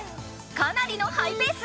かなりのハイペース！